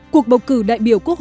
cuộc bầu cử đại biểu quốc hội